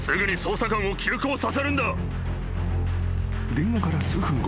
☎☎［電話から数分後］